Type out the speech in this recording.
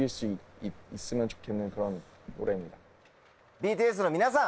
ＢＴＳの皆さん